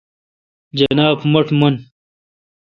جناب-مٹھ من۔